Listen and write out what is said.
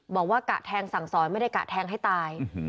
กะแทงสั่งสอนไม่ได้กะแทงให้ตาย